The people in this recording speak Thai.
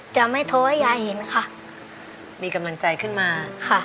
จะไม่โทรให้ยายเห็นค่ะมีกำลังใจขึ้นมาค่ะ